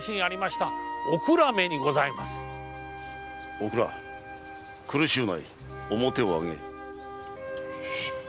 おくら苦しゅうない面を上げよ。へへっ。